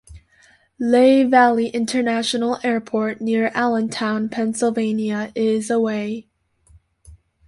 Lehigh Valley International Airport, near Allentown, Pennsylvania, is away.